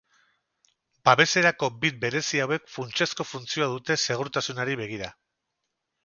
Babeserako bit berezi hauek funtsezko funtzioa dute segurtasunari begira.